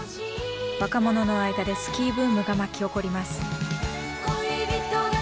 若者の間でスキーブームが巻き起こります。